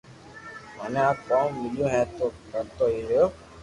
مني آ ڪوم ميليو ھي تو ڪرتو ھي رھيو